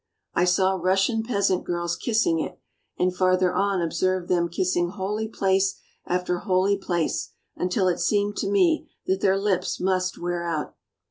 I saw Russian peasant girls kissing it, and farther on observed them kissing holy place after holy place until it. seemed to me that their lips must wear out.